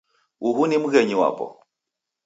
Uhu ni mghenyi wapo